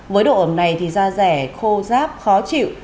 với độ ẩm này thì da rẻ khô ráp khó chịu